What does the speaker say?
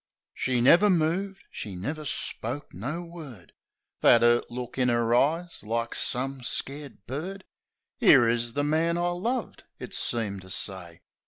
She never moved ; she never spoke no word ; That 'urt look in 'er eyes, like some scared bird: " 'Ere is the man I loved," it seemed to say.